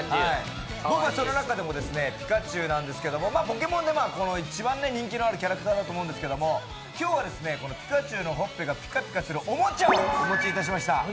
僕はその中でもピカチュウなんですけど「ポケモン」の中で一番人気のあるポケモンだと思うんですけど今日はピカチュウのほっぺがピカピカするおもちゃをお持ちしました。